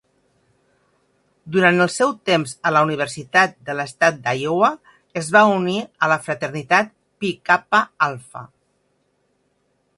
Durant el seu temps a la Universitat de l'Estat d'Iowa es va unir a la fraternitat Pi Kappa Alpha.